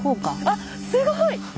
あっすごい！